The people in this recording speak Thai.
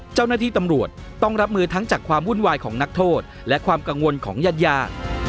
เจ้าหน้าที่ตำรวจต้องรับมือทั้งจากความวุ่นวายของนักโทษและความกังวลของญาติยาด